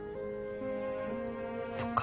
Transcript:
そっか。